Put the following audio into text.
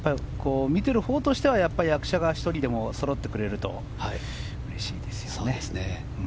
見てるほうとしては役者が１人でもそろってくれるとうれしいですよね。